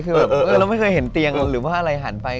คือแบบเออเราไม่เคยเห็นเตียงหรือว่าอะไรหันไป